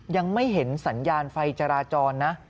ยังไม่เห็นสัญญาณไฟจราจรนะ